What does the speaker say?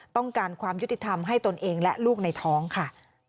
ต้องการความยุติธรรมให้ตนเองและลูกในท้องค่ะ